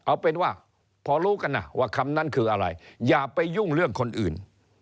เอาเป็นว่าพอรู้กันนะว่าคำนั้นคืออะไรอย่าไปยุ่งเรื่องคนอื่น